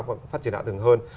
và phát triển ạ thường hơn